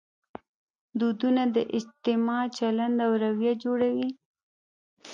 دودونه د اجتماع چلند او رویه جوړوي.